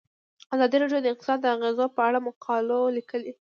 ازادي راډیو د اقتصاد د اغیزو په اړه مقالو لیکلي.